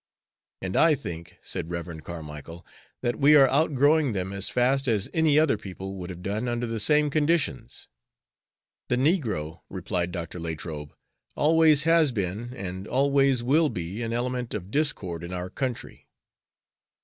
"And I think," said Rev. Carmicle, "that we are outgrowing them as fast as any other people would have done under the same conditions." "The negro," replied Dr. Latrobe, "always has been and always will be an element of discord in our country."